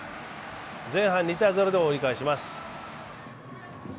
前半２−０で折り返します。